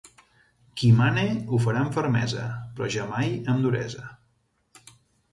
Qui mane, ho farà amb fermesa, però jamai amb duresa.